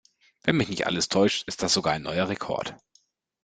Wenn mich nicht alles täuscht, ist das sogar ein neuer Rekord.